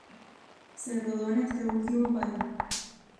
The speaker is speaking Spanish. Se rodó en este último país.